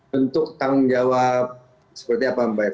bentuk tanggung jawab seperti apa mbak eva